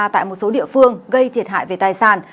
tại một số địa phương gây thiệt hại về tài sản